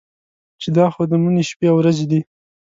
چې دا خو د مني شپې او ورځې دي.